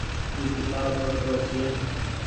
اي ڪيتآب پڙ رو ڇي۔